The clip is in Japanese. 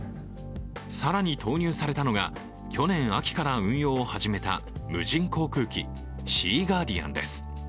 更に投入されたのが、去年秋から運用を始めた無人航空機「シーガーディアン」です。